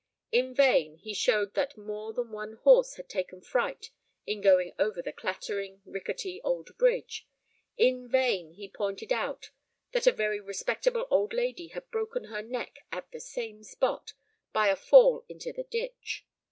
In vain he showed that more than one horse had taken fright in going over the clattering, rickety, old bridge; in vain he pointed out that a very respectable old lady had broken her neck at the same spot, by a fall into the ditch.